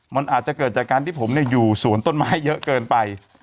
มันอาจจะเกิดจากการที่ผมอยู่สวนต้นไม้เยอะเกินไป